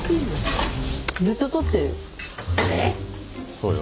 そうよ。